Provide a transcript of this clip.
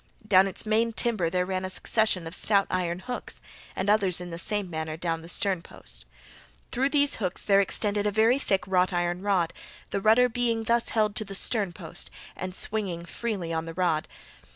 Down its main timber there ran a succession of stout iron hooks, and others in the same manner down the stern post. Through these hooks there extended a very thick wrought iron rod, the rudder being thus held to the stern post and swinging freely on the rod.